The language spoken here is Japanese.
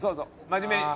真面目に。